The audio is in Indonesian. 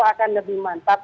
aku akan lebih mantap